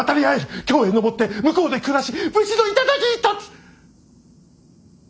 京へ上って向こうで暮らし武士の頂に立つ！